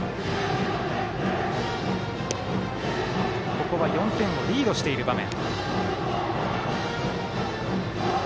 ここは４点をリードしている場面。